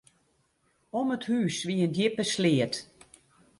Om it hús wie in djippe sleat.